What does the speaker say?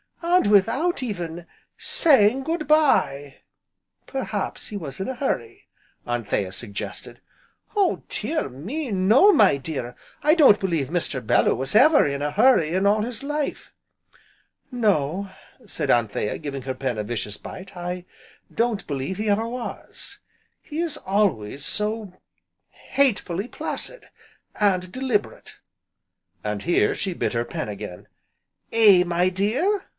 "And without even saying 'Good bye'!" "Perhaps he was in a hurry," Anthea suggested. "Oh dear me, no my dear! I don't believe Mr. Bellew was ever in a hurry in all his life." "No," said Anthea, giving her pen a vicious bite, "I don't believe he ever was; he is always so hatefully placid, and deliberate!" and here, she bit her pen again. "Eh, my dear?"